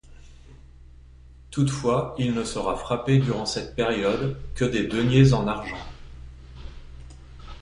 Toutefois, il ne sera frappé durant cette période que des deniers en argent.